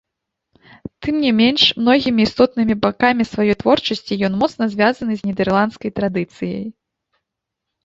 Тым не менш многімі істотнымі бакамі сваёй творчасці ён моцна звязаны з нідэрландскай традыцыяй.